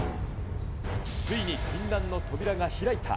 ついに禁断の扉が開いた。